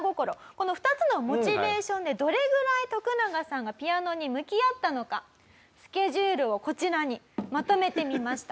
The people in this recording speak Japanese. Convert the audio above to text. この２つのモチベーションでどれぐらいトクナガさんがピアノに向き合ったのかスケジュールをこちらにまとめてみました。